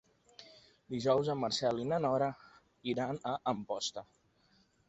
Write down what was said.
Dijous en Marcel i na Nora iran a Amposta.